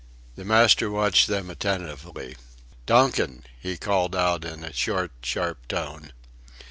The master watched them attentively. "Donkin," he called out in a short, sharp tone.